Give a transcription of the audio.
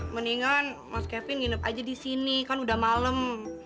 mendingan mas kevin nginep aja di sini kan udah malem